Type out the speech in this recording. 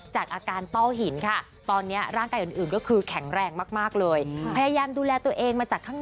จากอาการต้อหิน